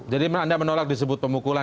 jadi anda menolak disebut pemukulan